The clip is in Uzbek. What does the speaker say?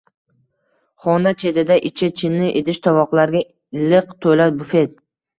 Xona chetida ichi chinni idish-tovoqlarga liq toʼla bufet.